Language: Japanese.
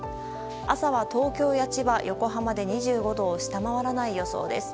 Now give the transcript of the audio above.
朝は東京や千葉、横浜で２５度を下回らない予想です。